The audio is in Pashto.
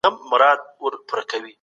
يوې سياسي ډلې تنکۍ ولسواکي زندۍ کړه.